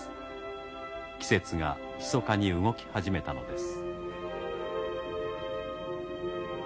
季節がひそかに動き始めたのです。